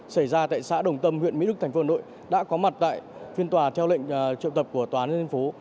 xảy ra tại xã đồng tâm huyện mỹ đức tp hà nội đã có mặt tại phiên tòa theo lệnh trợ tập của tòa án nhân dân tp